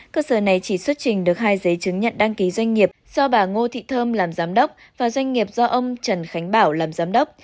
cơ sở này chỉ xuất trình được hai giấy chứng nhận đăng ký doanh nghiệp do bà ngô thị thơm làm giám đốc và doanh nghiệp do ông trần khánh bảo làm giám đốc